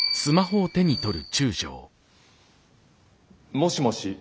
もしもし。